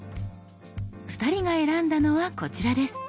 ２人が選んだのはこちらです。